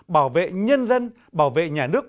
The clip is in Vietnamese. bảo vệ nhân dân bảo vệ nhà nước